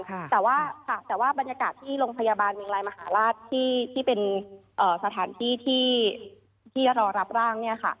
แต่ว่าบรรยากาศที่โรงพยาบาลมิงรายมหาลาศที่เป็นสถานที่ที่รอรับร่าง